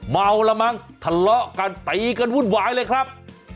เมาแล้วมั้งทะเลาะกันตีกันวุ่นวายเลยครับ